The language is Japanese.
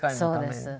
そうです。